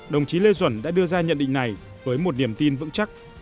đồng chí lê duẩn đã đưa ra nhận định này với một niềm tin vững chắc